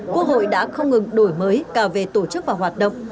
quốc hội đã không ngừng đổi mới cả về tổ chức và hoạt động